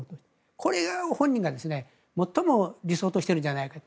これが本人が最も理想としているんじゃないかと。